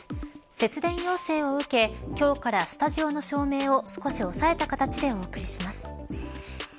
節電要請を受け今日からスタジオの照明を少し抑えた形でお送りします。